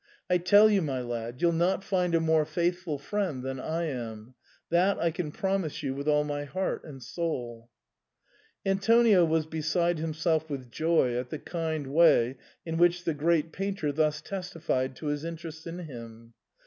I tell you, my lad, you'll not find a more faithful friend than I am — that I can promise you with all my heart and soul." Antonio was beside himself with joy at the kind way in which the great painter thus testified to his interest in him.